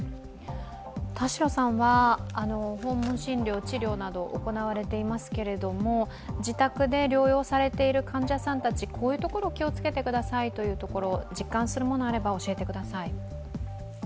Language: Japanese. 田代さんは、訪問診療治療などを行われていますけども自宅で療養されている患者さんたち、こういうところを気をつけてくださいと実感するものがあれば教えてください。